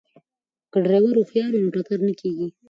که ډریور هوښیار وي نو ټکر نه کیږي.